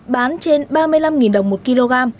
bán trên ba mươi năm đồng một kg